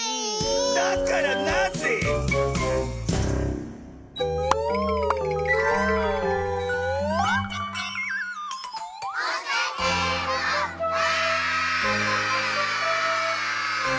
だからなぜ⁉わあ！